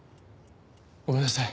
ごめんなさい。